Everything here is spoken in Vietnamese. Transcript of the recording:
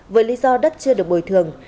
với lý do đất chưa được bồi thường